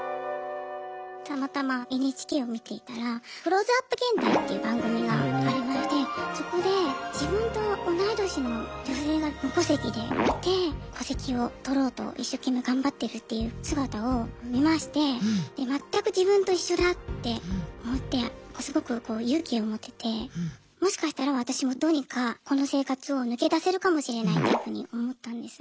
たまたまＮＨＫを見ていたら「クローズアップ現代」っていう番組がありましてそこで自分と同い年の女性が無戸籍でいて戸籍をとろうと一生懸命頑張ってるっていう姿を見まして全く自分と一緒だ！って思ってすごく勇気を持ててもしかしたら私もどうにかこの生活を抜け出せるかもしれないっていうふうに思ったんです。